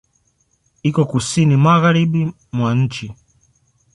Iko Kusini magharibi mwa nchi.